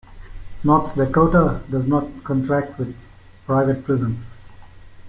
North Dakota does not contract with private prisons.